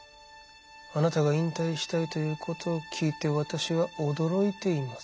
あなたが引退したいということを聞いて私は驚いています。